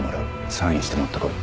サインして持ってこい。